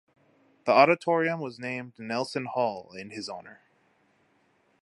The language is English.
The auditorium was named "Nelson Hall" in his honor.